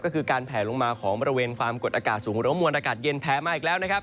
ก็คือการแผลลงมาของบริเวณความกดอากาศสูงหรือว่ามวลอากาศเย็นแผลมาอีกแล้วนะครับ